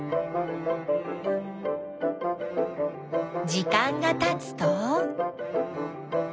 時間がたつと。